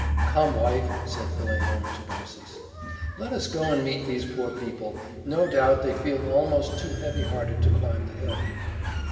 "Come, wife," said Philemon to Baucis, "let us go and meet these poor people. No doubt, they feel almost too heavy hearted to climb the hill."